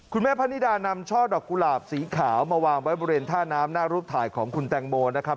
พระนิดานำช่อดอกกุหลาบสีขาวมาวางไว้บริเวณท่าน้ำหน้ารูปถ่ายของคุณแตงโมนะครับ